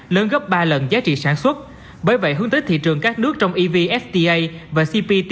lớn gấp ba lần giá trị sản xuất bởi vậy hướng tới thị trường các nước trong evfta và cpt